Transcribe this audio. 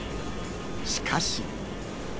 しかし。